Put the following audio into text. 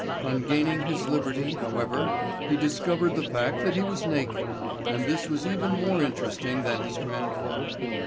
On gaining his liberty, however, he discovered the fact that he was naked, and this was even more interesting than his grandfather.